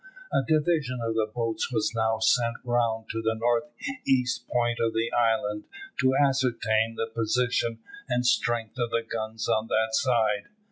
A division of the boats was now sent round to the north east point of the island to ascertain the position and strength of the guns on that side.